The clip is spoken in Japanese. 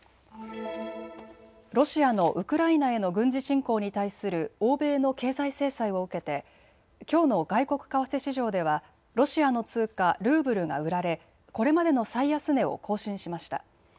ロシアのウクライナへの軍事侵攻に対する欧米の経済制裁を受けてきょうの外国為替市場ではロシアの通貨、ルーブルが売られこれまでの最安値を更新しました。